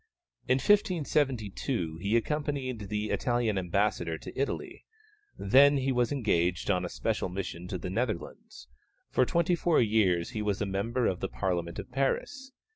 In 1572 he accompanied the Italian ambassador to Italy; then he was engaged on a special mission to the Netherlands; for twenty four years he was a member of the Parliament of Paris.